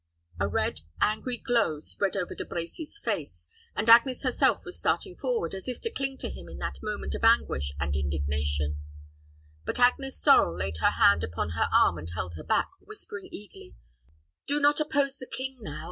A red, angry glow spread over De Brecy's face; and Agnes herself was starting forward, as if to cling to him in that moment of anguish and indignation; but Agnes Sorel laid her hand upon her arm and held her back, whispering eagerly, "Do not oppose the king now.